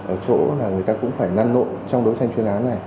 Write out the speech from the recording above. ở chỗ là người ta cũng phải năn lộn trong đấu tranh chuyên án này